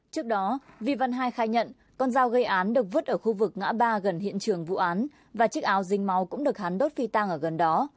trước đó vi văn hai khai nhận con dao gây án được vứt ở khu vực ngã ba gần hiện trường vụ án và chiếc áo dính máu cũng được hắn đốt phi tang ở gần đó